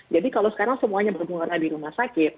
jadi kalau sekarang semuanya berpengaruh di rumah sakit